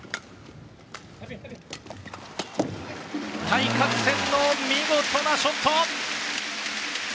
対角線の見事なショット！